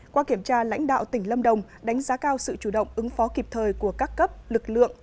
qua kiểm tra lãnh đạo tỉnh lâm đồng đánh giá cao sự chủ động ứng phó kịp thời của các cấp lực lượng